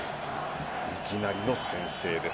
いきなりの先制です。